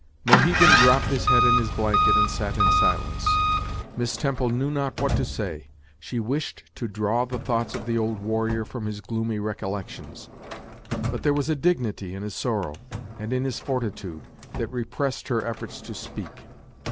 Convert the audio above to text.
Mohegan dropped his head in his blanket, and sat in silence. Miss Temple knew not what to say. She wished to draw the thoughts of the old warrior from his gloomy recollections, but there was a dignity in his sorrow, and in his fortitude, that repressed her efforts to speak.